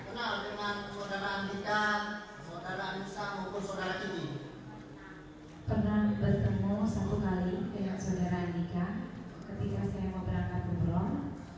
muka saudara ini pernah bertemu sekali dengan saudara andika ketika saya mau berangkat buperon